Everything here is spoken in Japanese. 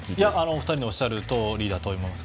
お二人のおっしゃるとおりだと思います。